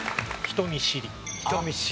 人見知り。